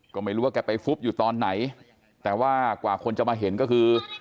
ก็ไม่รู้ว่าแกไปฟุบอยู่ตอนไหนแต่ว่ากว่าคนจะมาเห็นก็คือ